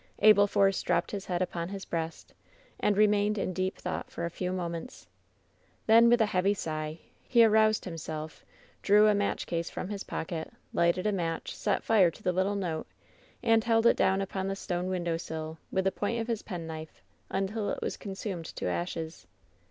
Abel Force dropped his head upon his breast, and re mained in deep thought for a few moments. Then, with 138 WHEN SHADOWS DIE a heavy sigh, he aroused himself, drew a match case from his pocket, lighted a match, set fire to the little note and held it down upon the stone window sill, with the point of his penknife, until it was consumed to ashes.